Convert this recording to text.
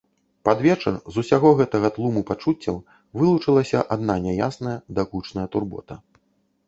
Пад вечар з усяго гэтага тлуму пачуццяў вылучылася адна няясная, дакучная турбота.